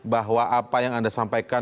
bahwa apa yang anda sampaikan